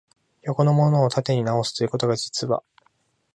横のものを縦に直す、ということが、実は、